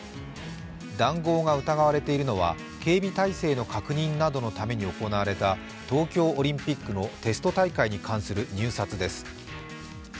談合が疑われているのは警備態勢の確認などのために行われた東京オリンピックのテスト大会に関する入札です。